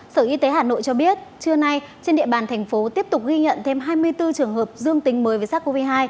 sở y tế hà nội cho biết trưa nay trên địa bàn thành phố tiếp tục ghi nhận thêm hai mươi bốn trường hợp dương tính với sars cov hai